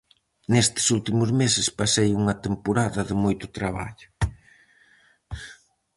Nestes últimos meses pasei unha temporada de moito traballo.